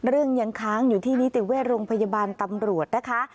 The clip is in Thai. เรื่องยังค้างอยู่ที่นิติเวชโรงพยาบาลตำรวจนะคะ